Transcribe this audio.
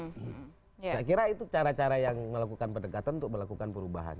saya kira itu cara cara yang melakukan pendekatan untuk melakukan perubahan